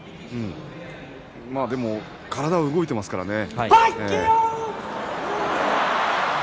でも体は動いていますからね。